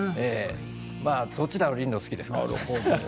どちらのリンドウが好きですか。